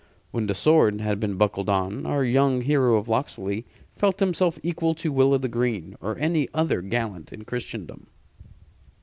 When the sword had been buckled on, our young hero of Locksley felt himself equal to Will o' th' Green or any other gallant in Christendom.